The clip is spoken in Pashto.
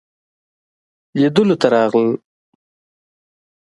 لیدلو ته راغلل.